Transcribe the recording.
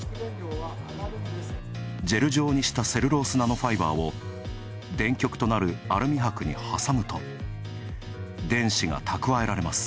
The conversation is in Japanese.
ジェル状にしたセルロースナノファイバーを電極とあるアルミ箔に挟むと、電子が蓄えられます。